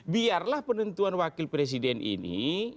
biar lah penentuan wakil presiden ini